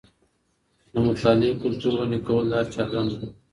د مطالعې کلتور غني کول د هر چا دنده ده.